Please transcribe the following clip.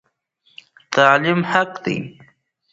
تعلیم حق دی.